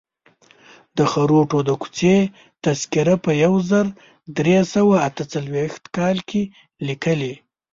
د خروټو د کوڅې تذکره په یو زر درې سوه اته څلویښت کال لیکلې.